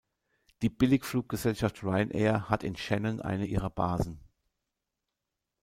Die Billigfluggesellschaft Ryanair hat in Shannon eine ihrer Basen.